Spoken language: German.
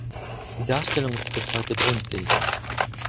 Die Darstellung ist bis heute grundlegend.